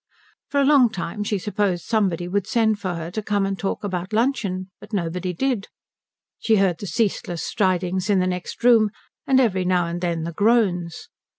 For a long time she supposed somebody would send for her to come and talk about luncheon; but nobody did. She heard the ceaseless stridings in the next room, and every now and then the groans.